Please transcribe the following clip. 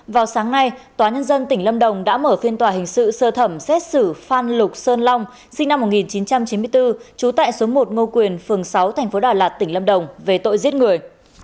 vào sáng nay tòa nhân dân tỉnh lâm đồng đã mở phiên tòa hình sự sơ thẩm xét xử phan lục sơn long sinh năm một nghìn chín trăm chín mươi bốn trú tại số một ngô quyền phường sáu tp đà lạt tỉnh lâm đồng về tội giết người